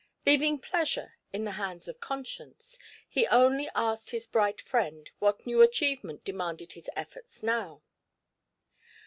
Leaving Pleasure in the hands of Conscience, he only asked his bright friend what new achievement demanded his eflforts now.